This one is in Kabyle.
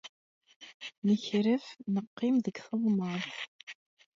Nekref, neqqim deg teɣmert.